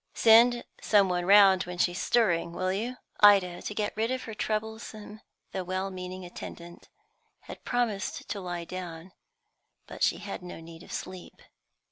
Send some one round when she's stirring, will you?" Ida, to get rid of her troublesome though well meaning attendant, had promised to lie down, but she had no need of sleep.